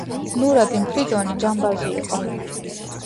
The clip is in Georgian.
ნურადინ ფრიდონი ჯამბაზი იყო